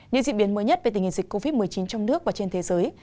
những diễn biến mới nhất về tình hình dịch covid một mươi chín trong nước và trên thế giới